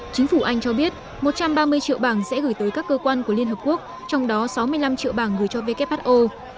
chính phủ anh cho biết một trăm ba mươi triệu bảng sẽ gửi tới các cơ quan của liên hợp quốc trong đó sáu mươi năm triệu bảng gửi cho who